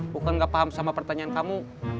bukan nggak paham sama pertanyaan kamu